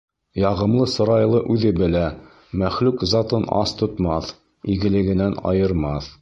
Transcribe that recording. Яғымлы сырайлы үҙе белә: мәхлүк затын ас тотмаҫ, игелегенән айырмаҫ.